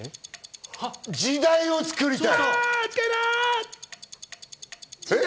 時代をつくりたい。